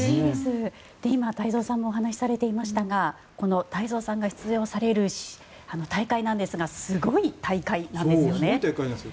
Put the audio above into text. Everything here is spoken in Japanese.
今、太蔵さんもお話しされていましたがこの太蔵さんが出場される大会なんですがすごい大会なんですよね。